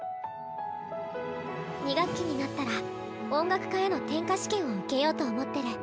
２学期になったら音楽科への転科試験を受けようと思ってる。